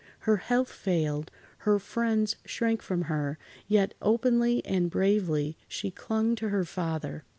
Her health failed, her friends shrank from her, yet openly and bravely she clung to her father.